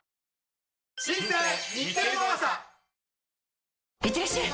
しかし、いってらっしゃい！